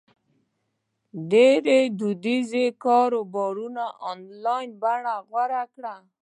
ډېری دودیز کاروبارونه آنلاین بڼه غوره کوي.